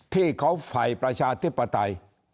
ที่เขาไฝประชาธิปไตย